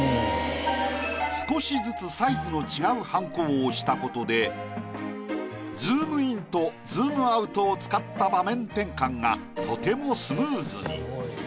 少しずつサイズの違うはんこを押したことでズームインとズームアウトを使った場面転換がとてもスムーズに。